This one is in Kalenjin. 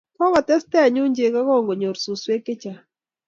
Kokotes tenyu chego kongonyor suswek chechang